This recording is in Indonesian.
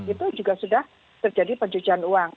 itu juga sudah terjadi pencucian uang